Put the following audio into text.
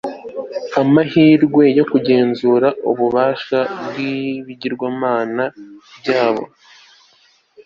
amahirwe yo kugenzura ububasha bwibigirwamana byabo